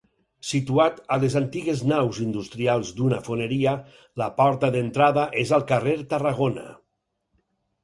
Situat a les antigues naus industrials d'una foneria, la porta d'entrada és al Carrer Tarragona.